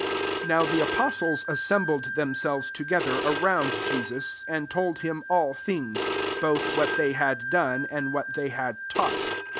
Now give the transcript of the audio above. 30 Now the apostles assem >led themselves together a ound Jesus; and told him all bings, [both] what they had bne^and what they had taught.